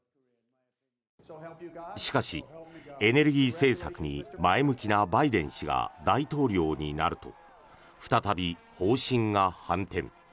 しかし、エネルギー政策に前向きなバイデン氏が大統領になると再び方針が反転。